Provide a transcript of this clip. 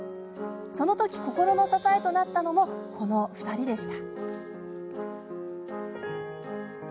その時、心の支えとなったのも２人でした。